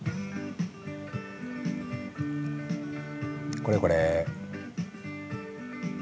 これこれ。